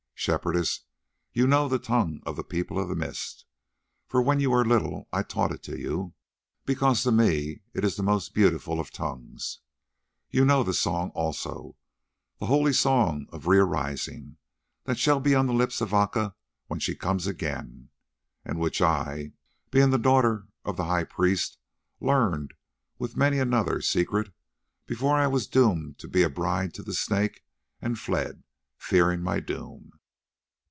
"Shepherdess, you know the tongue of the People of the Mist, for when you were little I taught it to you, because to me it is the most beautiful of tongues. You know the song also, the holy Song of Re arising, that shall be on the lips of Aca when she comes again, and which I, being the daughter of the high priest, learned, with many another secret, before I was doomed to be a bride to the Snake and fled, fearing my doom.